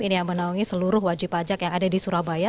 ini yang menaungi seluruh wajib pajak yang ada di surabaya